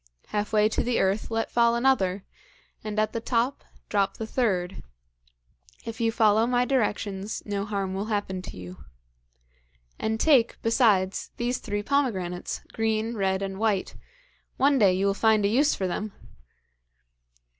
Half way to the earth, let fall another, and at the top, drop the third. If you follow my directions no harm will happen to you. And take, besides, these three pomegranates, green, red and white. One day you will find a use for them!'